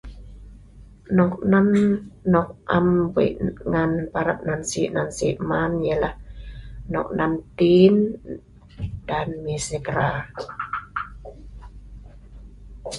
Nok nan nok am weik ngan am parap nan sik nan sik man ialah nok nan tin dan...?